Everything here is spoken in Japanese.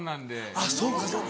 あっそうかそうか。